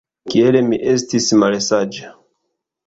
Kiel mi estis malsaĝa!